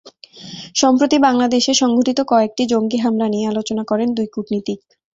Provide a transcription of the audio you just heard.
সম্প্রতি বাংলাদেশে সংঘটিত কয়েকটি জঙ্গি হামলা নিয়ে আলোচনা করেন দুই কূটনীতিক।